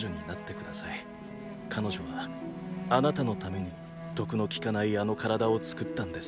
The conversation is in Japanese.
彼女はあなたのために毒の効かないあの体を作ったんです。